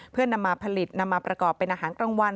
เพื่อนำมาผลิตนำมาประกอบเป็นอาหารกลางวัน